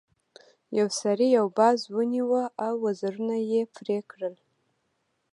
یو سړي یو باز ونیو او وزرونه یې پرې کړل.